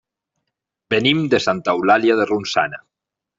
Venim de Santa Eulàlia de Ronçana.